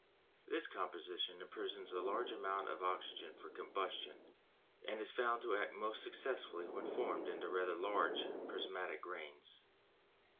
This composition imprisons a large amount of oxygen for combustion and is found to act most successfully when formed into rather large prismatic grains.